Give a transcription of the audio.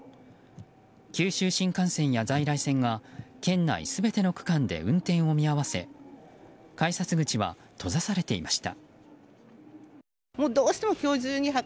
九州新幹線や在来線が県内全ての区間で運転を見合わせ改札口は閉ざされていました。